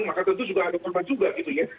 maka tentu juga ada korban juga gitu ya